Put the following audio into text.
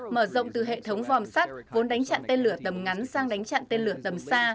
mở rộng từ hệ thống vòm sắt vốn đánh chặn tên lửa tầm ngắn sang đánh chặn tên lửa tầm xa